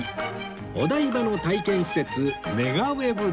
お台場の体験施設メガウェブで